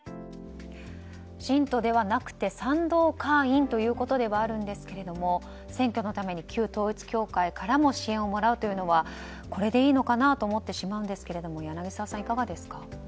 信徒ではなくて賛同会員ということではあるんですが選挙のために旧統一教会からも支援をもらうというのはこれでいいのかなと思ってしまうんですが柳澤さん、いかがですか？